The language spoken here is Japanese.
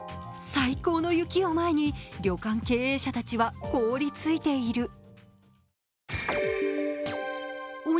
最高の雪を前に、旅館経営者たちは凍りついている。